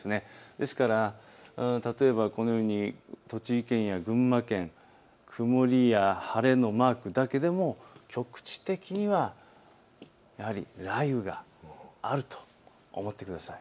ですから例えばこのように栃木県や群馬県、曇りや晴れのマークだけでも局地的には雷雨があると思ってください。